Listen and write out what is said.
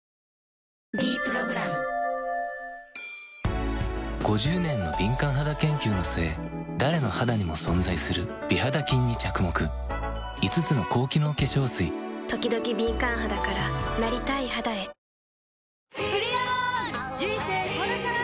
「ｄプログラム」５０年の敏感肌研究の末誰の肌にも存在する美肌菌に着目５つの高機能化粧水ときどき敏感肌からなりたい肌へ人生これから！